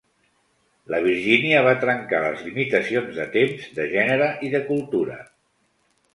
La Virginia va trencar les limitacions de temps, de gènere i de cultura.